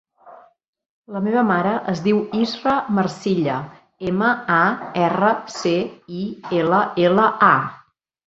La meva mare es diu Israa Marcilla: ema, a, erra, ce, i, ela, ela, a.